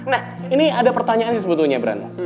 nah ini ada pertanyaan sih sebetulnya brand